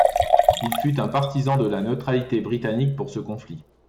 Il fut un partisan de la neutralité britannique pour ce conflit.